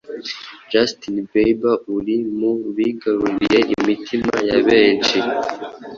Justin Bieber uri mu bigaruriye imitima ya benshi